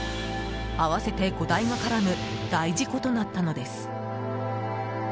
合わせて５台が絡む大事故となったのです。